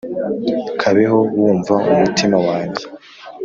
kabeho wumva umutima wanjye